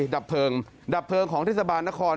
ดับเพลิงดับเพลิงของเทศบาลนคร